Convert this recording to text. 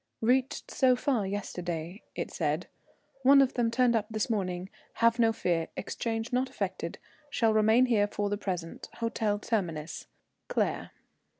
"Reached so far, yesterday," it said. "One of them turned up this morning have no fear exchange not effected shall remain here for the present Hotel Terminus. "CLAIRE."